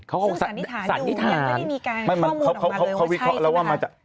ซึ่งสันนิษฐานอยู่ยังไม่มีการข้อมูลออกมาเลยว่าใช่